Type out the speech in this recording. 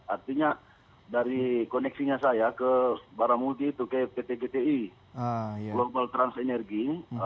artinya dari koneksinya saya ke barang multi itu ke pt gti global trans energy